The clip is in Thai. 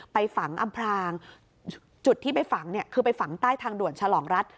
ไปฝังอำพรางจุดที่ไปฝังเนี่ยคือไปฝังใต้ทางด่วนฉลองรัฐ